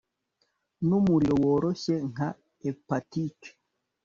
Numuriro woroshye nka hepatike